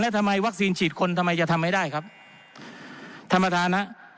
ทำไมวัคซีนฉีดคนทำไมจะทำไม่ได้ครับท่านประธานฮะ